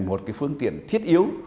một cái phương tiện thiết yếu